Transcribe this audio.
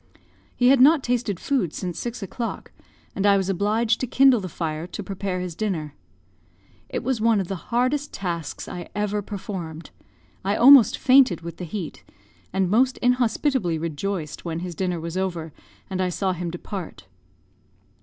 He had not tasted food since six o'clock, and I was obliged to kindle the fire to prepare his dinner. It was one of the hardest tasks I ever performed; I almost fainted with the heat, and most inhospitably rejoiced when his dinner was over, and I saw him depart.